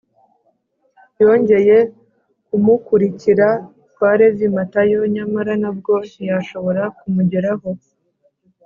yongeye kumukurikira kwa levi matayo, nyamara na bwo ntiyashobora kumugeraho